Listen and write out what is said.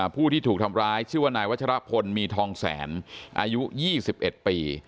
ผู้ที่ถูกทำร้ายชื่อว่านายวัชรพลมีทองแสนอายุ๒๑ปี